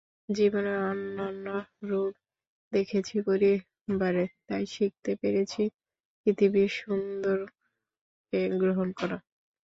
জীবনের অনন্য রূপ দেখেছি পরিবারে, তাই শিখতে পেরেছি পৃথিবীর সুন্দরকে গ্রহণ করা।